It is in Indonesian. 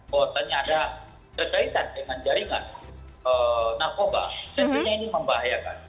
kalau saat ini ada ketersaitan dengan jaringan narkoba tentunya ini membahayakan